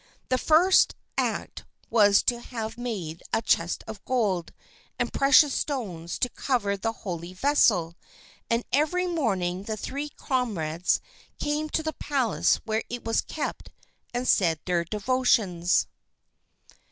His first act was to have made a chest of gold and precious stones to cover the holy vessel, and every morning the three comrades came to the palace where it was kept and said their devotions.